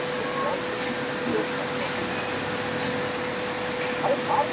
چي و شمي د آدب ته پنګان سي,